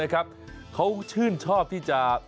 อย่างนี้